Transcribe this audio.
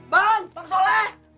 bang pak soleh